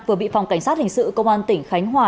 vừa bị phòng cảnh sát hình sự công an tỉnh khánh hòa